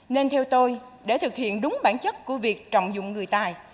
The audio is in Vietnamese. nên theo tôi để thực hiện đúng bản chất của việc trọng dụng người tài